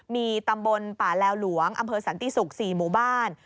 มีตำบลป่าแลวหลวงอำเภอสันติศุกร์๔หมู่บ้าน